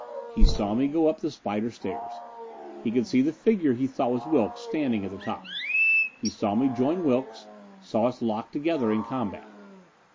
He saw me go up the spider stairs. He could see the figure he thought was Wilks, standing at the top. He saw me join Wilks, saw us locked together in combat.